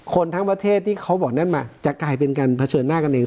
ทั้งประเทศที่เขาบอกนั่นมาจะกลายเป็นการเผชิญหน้ากันเอง